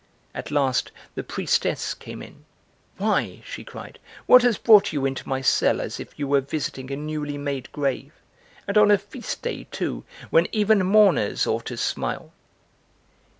At last the priestess came in. "Why," she cried, "what has brought you into my cell as if you were visiting a newly made grave? And on a feast day, too, when even mourners ought to smile!"